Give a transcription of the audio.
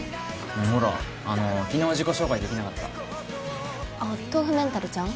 ほらあの昨日自己紹介できなかった豆腐メンタルちゃん？